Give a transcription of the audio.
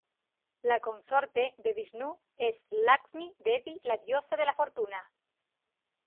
La consorte de Vishnu es Laksmi-devi, la Diosa de la fortuna.